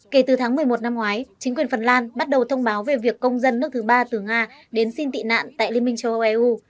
kể từ tháng một mươi một năm ngoái chính quyền phần lan bắt đầu thông báo về việc công dân nước thứ ba từ nga đến xin tị nạn tại liên minh châu âu eu